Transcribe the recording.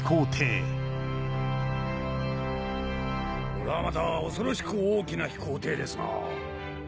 これはまた恐ろしく大きな飛行艇ですな。